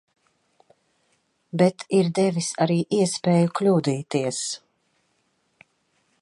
Bet ir devis arī iespēju kļūdīties.